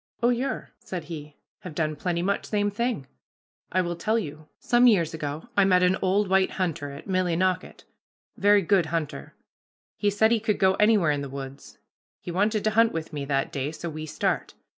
"Oh, yer," said he, "have done pretty much same thing. I will tell you. Some years ago I met an old white hunter at Millinocket; very good hunter. He said he could go anywhere in the woods. He wanted to hunt with me that day, so we start.